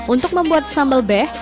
untuk membuat sambal beh